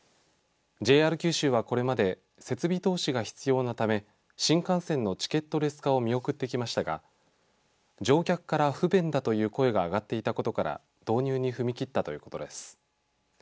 ＪＲ九州は、これまで設備投資が必要なため新幹線のチケットレス化を見送ってきましたが乗客から不便だという声が上がっていたことから導入に踏み切ったということです。